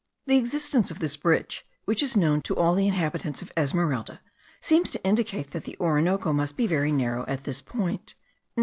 The existence of this bridge, which is known to all the inhabitants of Esmeralda,* seems to indicate that the Orinoco must be very narrow at this point.